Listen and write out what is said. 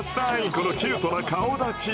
このキュートな顔だち。